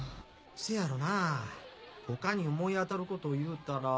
せやろうなぁ他に思い当たるこというたら。